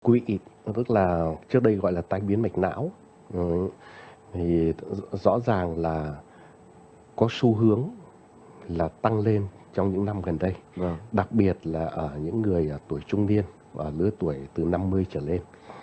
quy ịt trước đây gọi là tai biến mạch não rõ ràng là có xu hướng tăng lên trong những năm gần đây đặc biệt là những người tuổi trung niên lứa tuổi từ năm mươi trở lên